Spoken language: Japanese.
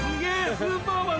スーパーマンだ。